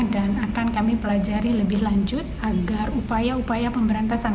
dan akan kami pelajari lebih lanjut agar upaya upaya pemberantasan